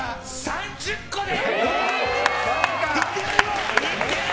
３０個で！